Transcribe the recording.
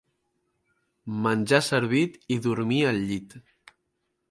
Menjar servit i dormir al llit.